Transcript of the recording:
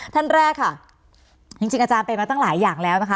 ท่านแรกค่ะจริงอาจารย์เป็นมาตั้งหลายอย่างแล้วนะคะ